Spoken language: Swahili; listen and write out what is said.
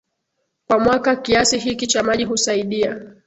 kwa mwaka Kiasi hiki cha maji husaidia